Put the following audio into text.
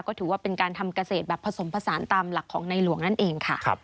ก็ถือว่าเป็นการทำเกษตรแบบผสมผสานตามหลักของในหลวงนั่นเองค่ะ